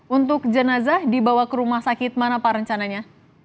untuk jenazah dibawa ke rumah sakit mana pak rencananya